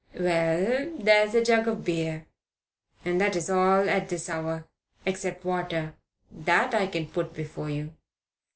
"Well, there's a jug of beer and that is all at this hour, except water, that I can put before you."